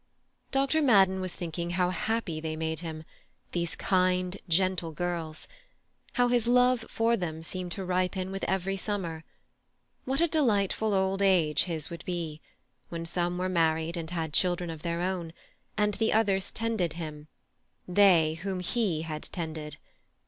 Dr. Madden was thinking how happy they made him, these kind, gentle girls; how his love for them seemed to ripen with every summer; what a delightful old age his would be, when some were married and had children of their own, and the others tended him—they whom he had tended.